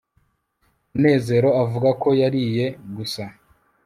munezero avuga ko yariye gusa